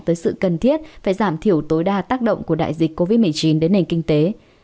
tới sự cần thiết phải giảm thiểu tối đa tác động của đại dịch covid một mươi chín đến nền kinh tế